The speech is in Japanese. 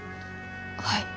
はい。